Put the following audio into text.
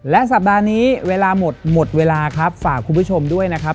และสัปดาห์นี้เวลาหมดหมดเวลาครับฝากคุณผู้ชมด้วยนะครับ